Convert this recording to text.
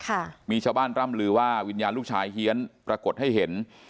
ค่ะมีชาวบ้านร่ำลือว่าวิญญาณลูกชายเฮียนปรากฏให้เห็น